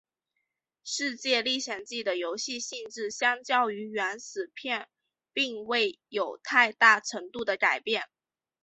世界历险记的游戏性质相较于原始片并未有太大程度的改变。